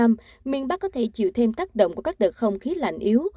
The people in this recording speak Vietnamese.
miền bắc có thể chịu thêm tác động của các đợt không khí lạnh yếu